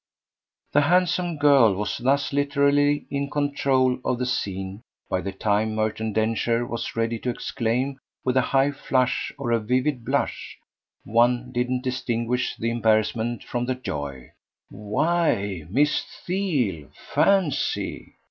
The handsome girl was thus literally in control of the scene by the time Merton Densher was ready to exclaim with a high flush or a vivid blush one didn't distinguish the embarrassment from the joy "Why Miss Theale: fancy!"